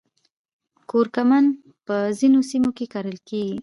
کورکمن په ځینو سیمو کې کرل کیږي